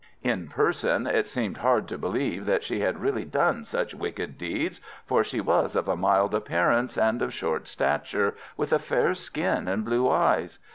In person it seemed hard to believe that she had really done such wicked deeds, for she was of a mild appearance, and of short stature, with a fair skin and blue eyes.